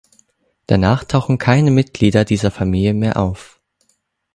Danach tauchen keine Mitglieder dieser Familie mehr auf.